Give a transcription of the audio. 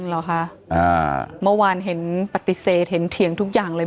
เหรอคะอ่าเมื่อวานเห็นปฏิเสธเห็นเถียงทุกอย่างเลย